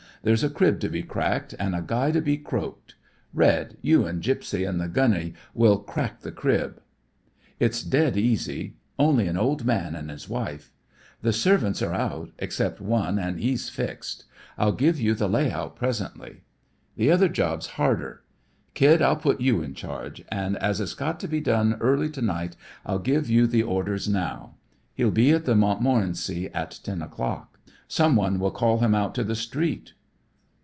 "There's a crib to be cracked an' a guy to be croaked. Red, you an' Gypsie an' the Gunney will crack the crib. It's dead easy. Only an old man an' his wife. The servants are out except one an' he's fixed. I'll give you the layout presently. The other job's harder. Kid, I'll put you in charge, an' as it's got to be done early to night I'll give you the orders now. He'll be at The Montmorency at ten o'clock. Someone will call him out to the street."